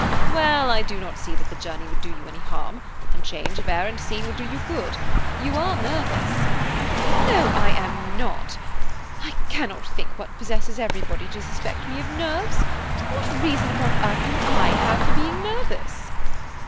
"Well, I do not see that the journey would do you any harm, and change of air and scene would do you good. You are nervous." "No, I am not; I cannot think what possesses everybody to suspect me of nerves. What reason upon earth can I have for being nervous?"